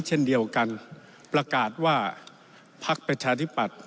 เช่นเดียวกันประกาศว่าพักประชาธิปัตย